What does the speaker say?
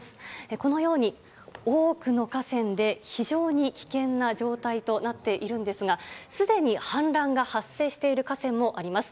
このように多くの河川で非常に危険な状態となっているんですがすでに氾濫が発生している河川もあります。